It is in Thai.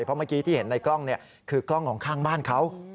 เพราะเมื่อกี้ที่เห็นในกล้องคือกล้องของข้างบ้านเขา